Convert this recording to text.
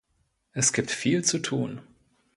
Es gibt viel zu tun.